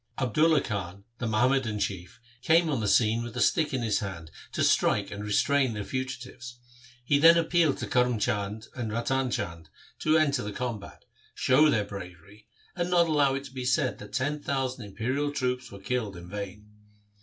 Abdulla Khan, the Muhammadan chief, came on the scene with a stick in his hand to strike and restrain the fugitives. He then appealed to Karm Chand and Ratan Chand to enter the combat, show their bravery, and not allow it to be said that ten thousand imperial troops were killed in vain.